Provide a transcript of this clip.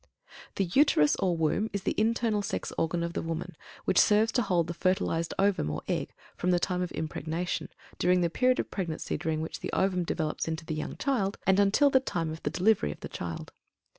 THE UTERUS, or Womb, is the internal sex organ of the woman which serves to hold the fertilized ovum, or egg, from the time of impregnation, during the period of pregnancy during which the ovum develops into the young child, and until the time of the delivery of the child.